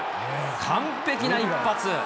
完璧な一発。